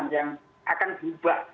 yang akan berubah